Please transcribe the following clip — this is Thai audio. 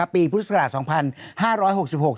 ปีพุทธศาสตร์๒๕๖๖